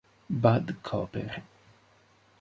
Bud Koper